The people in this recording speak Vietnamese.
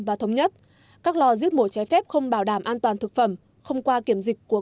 và thống nhất các lò giết mổ chế phép không bảo đảm an toàn thực phẩm không qua kiểm dịch của